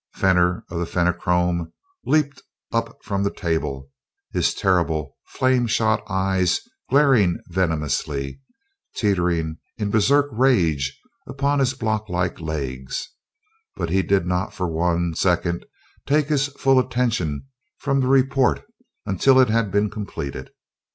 Fenor of the Fenachrone leaped up from the table, his terrible, flame shot eyes glaring venomously teetering in Berserk rage upon his block like legs but he did not for one second take his full attention from the report until it had been completed.